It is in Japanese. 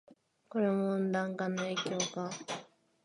これも温暖化の影響か